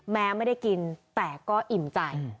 แม้ไม่ได้กินแต่ก็อิ่มใจ